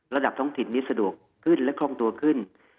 ระดับท้องถิ่นนี้สะดวกขึ้นและคล่องตัวขึ้น